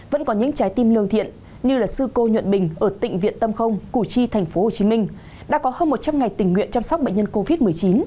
vẫn có những trái tim lương thiện như sư cô nhuận bình ở tịnh viện tâm không củ chi tp hcm đã có hơn một trăm linh ngày tình nguyện chăm sóc bệnh nhân covid một mươi chín